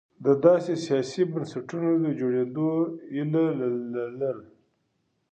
د داسې سیاسي بنسټونو د جوړېدو هیله لرله.